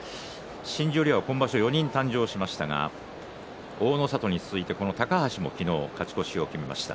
新十両は今場所４人誕生しましたが大の里に続いて、この高橋も昨日、勝ち越しを決めました。